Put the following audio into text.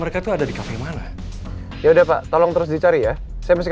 ya allah bagaimana jadinya ini